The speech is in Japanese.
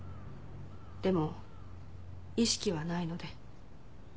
でも意識はないので。